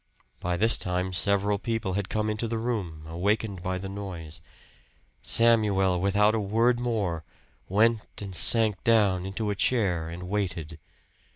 By this time several people had come into the room, awakened by the noise. Samuel, without a word more, went and sank down into a chair and waited.